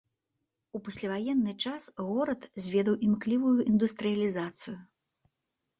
У пасляваенны час горад зведаў імклівую індустрыялізацыю.